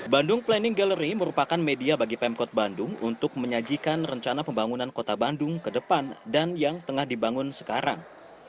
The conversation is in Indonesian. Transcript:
bandung planning gallery merupakan media bagi pemkot bandung untuk menyajikan rencana pembangunan kota bandung ke depan dan yang tengah dibangun sekarang